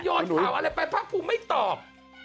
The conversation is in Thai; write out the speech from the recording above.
โยนข่าวอะไรไปพระครูไม่ตอบ